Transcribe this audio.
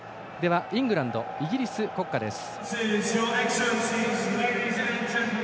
イングランド、イギリス国歌です。